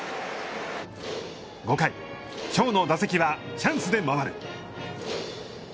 ５回、きょうの打席はチャンスで回る。